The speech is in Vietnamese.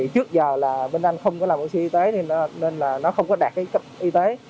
trước giờ bên anh không làm oxy y tế nên không đạt cấp y tế